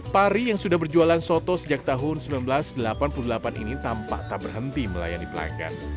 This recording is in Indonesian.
pari yang sudah berjualan soto sejak tahun seribu sembilan ratus delapan puluh delapan ini tampak tak berhenti melayani pelanggan